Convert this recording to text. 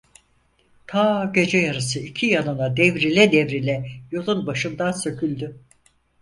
Ta gece yarısı iki yanına devrile devrile yolun başından söküldü.